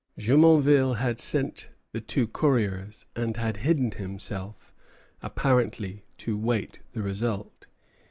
Jumonville had sent the two couriers, and had hidden himself, apparently to wait the result.